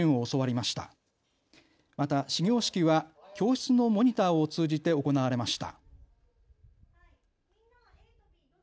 また始業式は教室のモニターを通じて行われました。